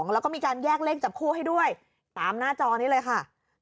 แล้วก็มีการแยกเลขจับคู่ให้ด้วยตามหน้าจอนี้เลยค่ะ